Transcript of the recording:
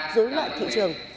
dưới loại thị trường